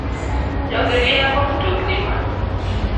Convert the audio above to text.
Jogi riembo mtokni ma